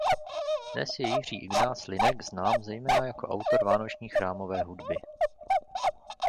Dnes je Jiří Ignác Linek znám zejména jako autor vánoční chrámové hudby.